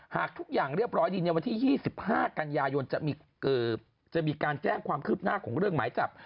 หากทุกอย่างเรียบร้อยดีในวันที่๒๕กันยายนจะมีการแจ้งความคืบหน้าของเรื่องหมายจับ